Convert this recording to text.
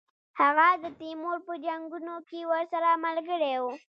هغه د تیمور په جنګونو کې ورسره ملګری وو.